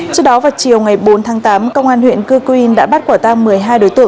trước đó vào chiều ngày bốn tháng tám công an huyện cư quyên đã bắt quả tàu